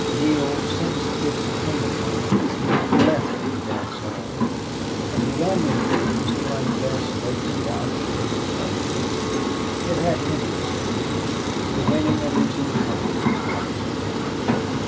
Neale sensed its undercurrent. He left the dance hall. Of the gambling games, he liked best both to watch and to play poker. It had interest for him. The winning or losing of money was not of great moment.